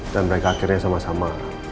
mereka akhirnya sama sama